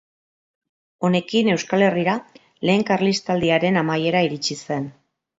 Honekin Euskal Herrira Lehen Karlistaldiaren amaiera iritsi zen.